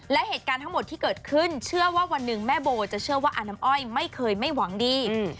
และเหตุการณ์ทั้งหมดที่เกิดขึ้นเชื่อว่าวันหนึ่งแม่โบจะเชื่อว่าอาน้ำอ้อยไม่เคยไม่หวังดี